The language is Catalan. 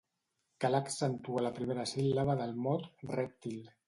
Cal accentuar la primera síl·laba del mot "rèptil".